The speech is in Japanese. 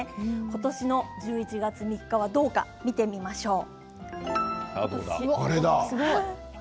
今年の１１月３日はどうか見てみましょう。